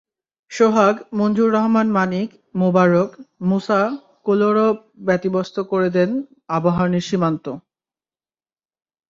সোহাগ, মনজুর রহমান মানিক, মোবারক, মুসা কোলোরা ব্যতিব্যস্ত করে দেন আবাহনীর সীমান্ত।